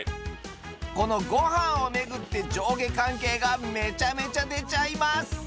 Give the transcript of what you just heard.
このごはんを巡って上下関係がめちゃめちゃ出ちゃいます